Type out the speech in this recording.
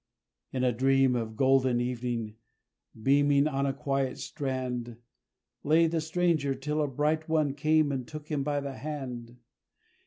In a dream of golden evening, beaming on a quiet strand, Lay the stranger till a bright One came and took him by the hand.